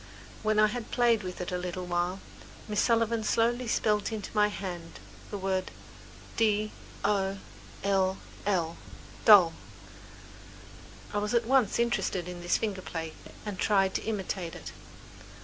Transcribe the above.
When I had played with it a little while, Miss Sullivan slowly spelled into my hand the word "d o l l." I was at once interested in this finger play and tried to imitate it.